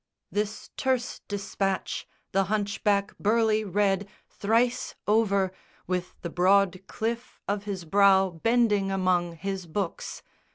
This terse despatch the hunchback Burleigh read Thrice over, with the broad cliff of his brow Bending among his books.